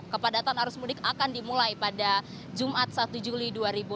kepadatan arus mudik akan dimulai pada jumat satu juli dua ribu dua puluh